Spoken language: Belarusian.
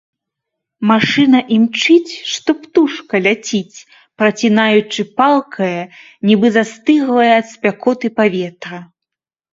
Машына імчыць, што птушка ляціць, працінаючы палкае, нібы застыглае ад спякоты паветра.